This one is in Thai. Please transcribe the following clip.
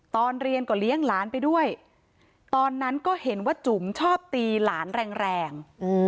ตอนเรียนก็เลี้ยงหลานไปด้วยตอนนั้นก็เห็นว่าจุ๋มชอบตีหลานแรง